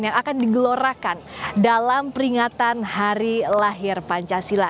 yang akan digelorakan dalam peringatan hari lahir pancasila